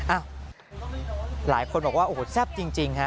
หลายคนบอกว่าโอ้โหแซ่บจริงฮะ